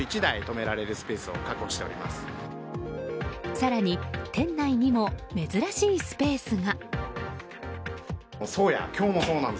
更に、店内にも珍しいスペースが。